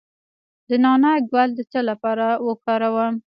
د نعناع ګل د څه لپاره وکاروم؟